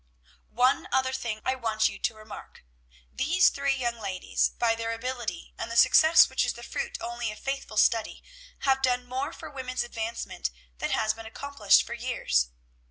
"One other thing I want you to remark. These three young ladies, by their ability, and the success which is the fruit only of faithful study, have done more for women's advancement than has been accomplished for years.